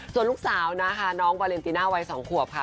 ส่วนลูกสาวนะคะน้องวาเลนติน่าวัย๒ขวบค่ะ